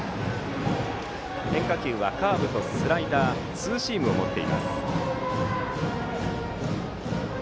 変化球はカーブ、スライダーツーシームを持っています。